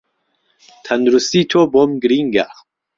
تەندروستی تۆ بۆم گرینگە